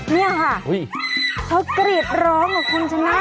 นี่ค่ะเขากรีดร้องอ่ะคุณชนะ